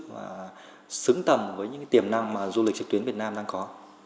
và xứng tầm với những tiềm năng mà du lịch trực tuyến việt nam đang có